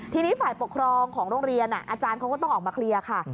ทีนี้ฝ่ายปกครองของโรงเรียนอาจารย์เขาก็ต้องออกมาเคลียร์ค่ะ